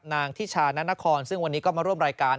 ทิชานานครซึ่งวันนี้ก็มาร่วมรายการ